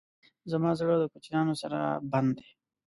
زما زړه د کوچیانو سره بند دی.